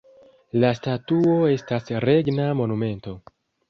La statuo estas regna monumento.